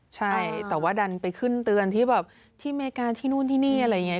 ใช่แต่ว่าดันไปขึ้นเตือนที่แบบที่อเมริกาที่นู่นที่นี่อะไรอย่างนี้